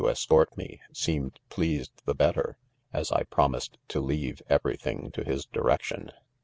escort me, seemed gfeased tf^hetter, as .1 promised to leave eve ipj5 thing to his directicra.